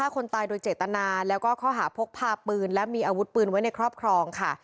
ฆ่าคนตายโดยเจตนาแล้วก็ข้อหาพกพาปืนและมีอาวุธปืนไว้ในครอบครองค่ะ